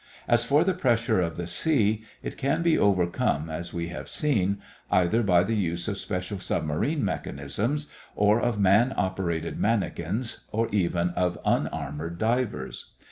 As for the pressure of the sea, it can be overcome, as we have seen, either by the use of special submarine mechanisms, or of man operated manikins or even of unarmored divers.